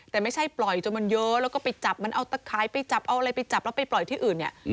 แต่ไม่ใช่ปล่อยจนมันเยอะแล้วก็ไปจับมันเอาตะขายไปจับเอาอะไรไปจับแล้วไปปล่อยที่อื่นเนี่ย